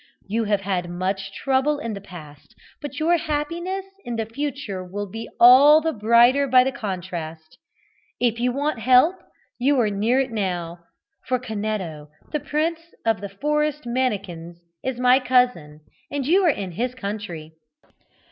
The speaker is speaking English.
You have had much trouble in the past, but your happiness in the future will be all the brighter by the contrast. If you want help, you are near it now, for Canetto, the Prince of the Forest Mannikins, is my cousin, and you are in his country."